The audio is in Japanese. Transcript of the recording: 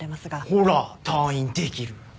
ほら退院できる。